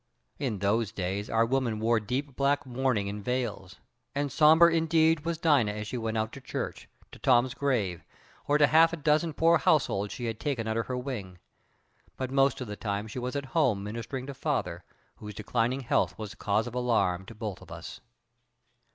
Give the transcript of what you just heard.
In those days our women wore deep black mourning and veils, and sombre, indeed, was Dina as she went out to church, to Tom's grave, or to half a dozen poor households she had taken under her wing. But most of the time she was at home ministering to father, whose declining health was a cause of alarm to both of us.